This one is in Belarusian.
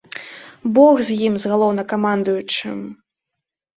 Бог з ім, з галоўнакамандуючым.